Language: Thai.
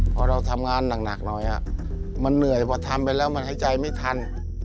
พอเราทำงานหนักหน่อยมันเหนื่อยพอทำไปแล้วมันหายใจไม่ทัน